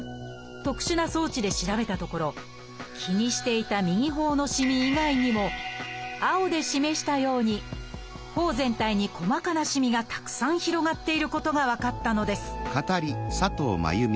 特殊な装置で調べたところ気にしていた右頬のしみ以外にも青で示したように頬全体に細かなしみがたくさん広がっていることが分かったのです